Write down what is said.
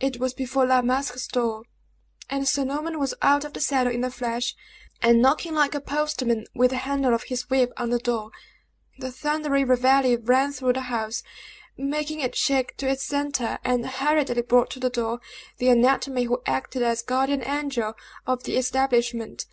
It was before La Masque's door; and Sir Norman was out of the saddle in a flash, and knocking like a postman with the handle of his whip on the door. The thundering reveille rang through the house, making it shake to its centre, and hurriedly brought to the door, the anatomy who acted as guardian angel of the establishment.